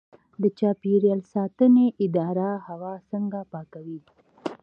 د چاپیریال ساتنې اداره هوا څنګه پاکوي؟